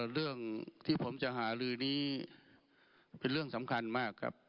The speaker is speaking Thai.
เรื่องที่ผมจะหาลือนี้เป็นเรื่องสำคัญมากครับ